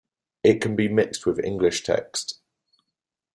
It can be mixed with English text.